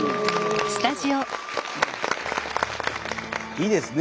いいですね。